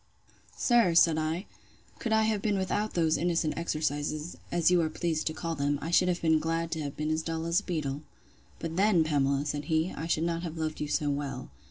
Sir, said I, could I have been without those innocent exercises, as you are pleased to call them, I should have been glad to have been as dull as a beetle. But then, Pamela, said he, I should not have loved you so well.